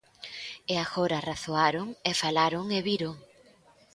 E agora razoaron e falaron e viron.